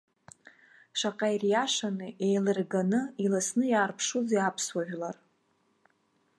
Шаҟа ириашаны, еилырганы, иласны иаарԥшузеи аԥсуа жәлар.